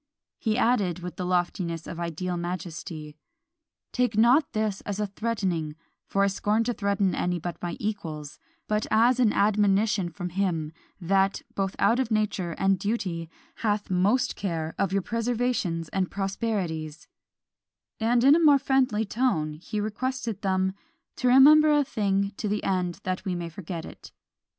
He added, with the loftiness of ideal majesty "Take not this as a threatening, for I scorn to threaten any but my equals; but as an admonition from him, that, both out of nature and duty, hath most care of your preservations and prosperities:" and in a more friendly tone he requested them "To remember a thing to the end that we may forget it.